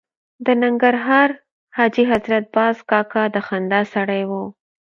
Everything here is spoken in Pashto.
د ننګرهار حاجي حضرت باز کاکا د خندا سړی و.